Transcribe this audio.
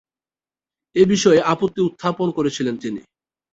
এ বিষয়ে আপত্তি উত্থাপন করেছিলেন তিনি।